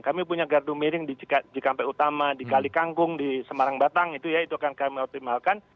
kami punya gardu miring di cikampek utama di kalikangkung di semarang batang itu ya itu akan kami optimalkan